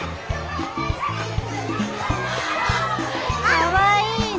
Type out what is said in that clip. かわいいね。